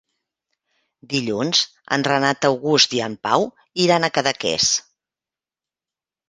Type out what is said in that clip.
Dilluns en Renat August i en Pau iran a Cadaqués.